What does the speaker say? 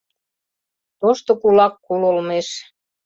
Тошто кулак кул олмеш